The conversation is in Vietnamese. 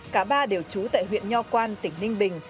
cả ba đều trú tại huyện nho quan tỉnh ninh bình